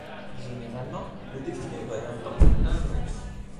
Généralement le défilé va d'un temple à un autre.